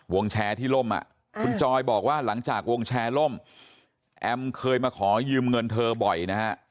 แชร์ที่ล่มคุณจอยบอกว่าหลังจากวงแชร์ล่มแอมเคยมาขอยืมเงินเธอบ่อยนะฮะ